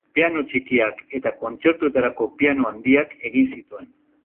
Piano txikiak eta kontzertuetarako piano handiak egin zituen.